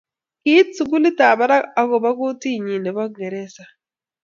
Kiit sukulit ab barak ak kobo kotee nyii ne bo ngeresa.